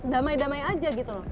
damai damai aja gitu loh